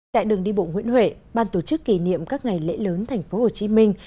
tại đường đi bộ nguyễn huệ ban tổ chức kỷ niệm các ngày lễ lớn thành phố hồ chí minh